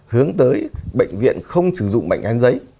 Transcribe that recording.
hướng tới bệnh viện không sử dụng bệnh án giấy